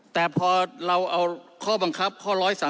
แต่พอเราเอาข้อบังคับข้อ๑๓